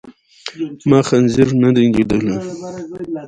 ما خنزير ندی لیدلی.